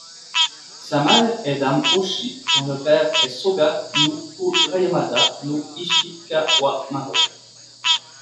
Sa mère est dame Ochi dont le père est Soga no Kurayamada no Ishikawamaro.